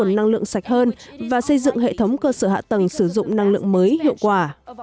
nguồn năng lượng sạch hơn và xây dựng hệ thống cơ sở hạ tầng sử dụng năng lượng mới hiệu quả